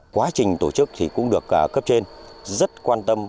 quá trình tổ chức thì cũng được cấp trên rất quan tâm